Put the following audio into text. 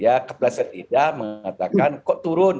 ya kebelasan idah mengatakan kok turun